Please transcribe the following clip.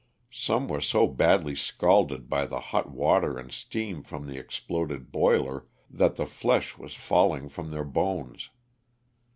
Some were so badly scalded by the hot water and steam from the exploded boiler that the flesh was falling from their bones.